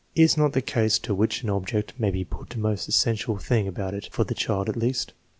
Is not the use to which an object may be put the most es sential thing about it, for the child at least?